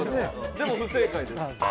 でも不正解です。